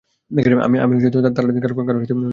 আমি তাড়াতাড়ি কারও সাথে, বন্ধুত্ব করি না।